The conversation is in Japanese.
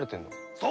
そう！